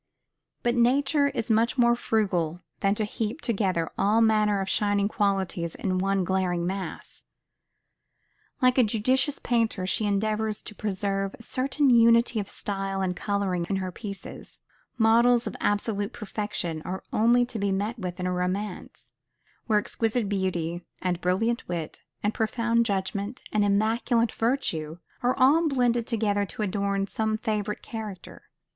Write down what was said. But nature is much more frugal than to heap together all manner of shining qualities in one glaring mass. Like a judicious painter, she endeavors to preserve a certain unity of style and coloring in her pieces. Models of absolute perfection are only to be met with in romance; where exquisite beauty, and brilliant wit, and profound judgment, and immaculate virtue, are all blended together to adorn some favorite character.